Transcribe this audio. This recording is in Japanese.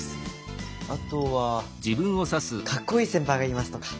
あとは「かっこいい先輩がいます」とか。